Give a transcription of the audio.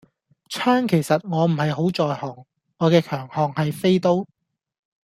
槍其實我唔係好在行，我嘅強項係飛刀